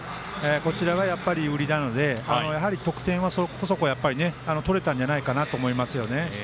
こちらがやっぱり売りなので得点はそこそこ取れたんじゃないかなと思いますね。